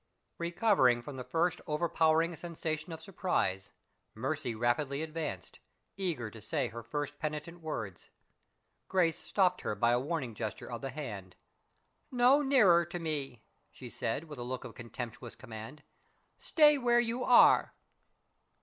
RECOVERING from the first overpowering sensation of surprise, Mercy rapidly advanced, eager to say her first penitent words. Grace stopped her by a warning gesture of the hand. "No nearer to me," she said, with a look of contemptuous command. "Stay where you are."